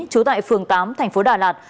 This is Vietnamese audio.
chú tại phường tám tp đà lạt